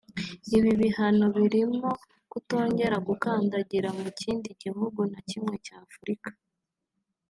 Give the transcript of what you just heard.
Ibi bihano birimo kutongera gukandagira mu kindi gihugu na kimwe cya Afrika